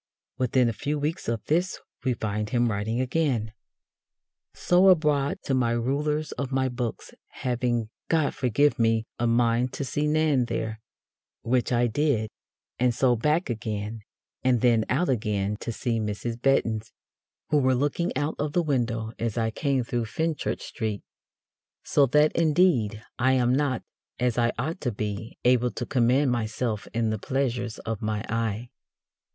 Within a few weeks of this we find him writing again: So abroad to my ruler's of my books, having, God forgive me! a mind to see Nan there, which I did, and so back again, and then out again to see Mrs. Bettons, who were looking out of the window as I came through Fenchurch Streete. So that, indeed, I am not, as I ought to be, able to command myself in the pleasures of my eye.